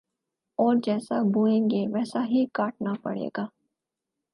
، اور جیسا بوئیں گے ویسا ہی کاٹنا پڑے گا